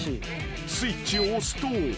［スイッチを押すと］